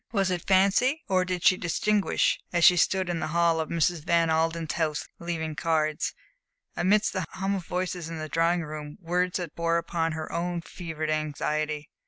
Was it fancy, or did she distinguish, as she stood in the hall of Mrs. Van Alden's house leaving cards, amidst the hum of voices in the drawing room, words that bore upon her own fevered anxiety?